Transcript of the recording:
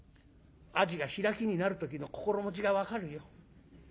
アジが開きになる時の心持ちが分かるよ。